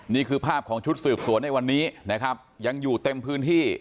นี่คือภาพของชุดสืบสวนในวันนี้นะครับยังอยู่เต็มพื้นที่